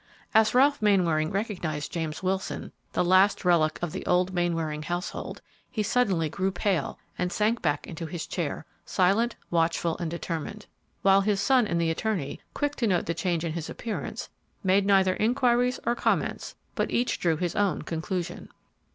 As Ralph Mainwaring recognized James Wilson, the last relic of the old Mainwaring household, he suddenly grew pale and sank back into his chair, silent, watchful, and determined; while his son and the attorney, quick to note the change in his appearance, made neither inquiries nor comments, but each drew his own conclusion.